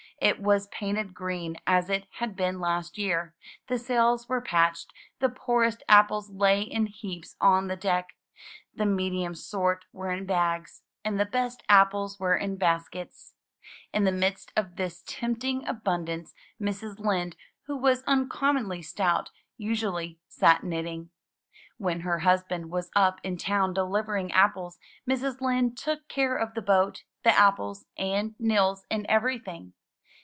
It was painted green as it had been last year; the sails were patched; the poorest apples lay in heaps on the deck, the medium sort were in bags, and the best apples were in baskets. In the midst of this tempting abundance Mrs. Lind, who was uncommonly stout, usually sat knitting. When her husband was up in town delivering apples Mrs. Lind took care of the boat, the apples, and Nils and everything.